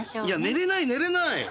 寝れない寝れない。